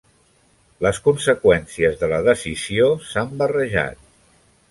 Les conseqüències de la decisió s'han barrejat.